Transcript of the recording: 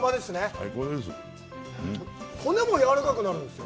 骨もやわらかくなるんですよ。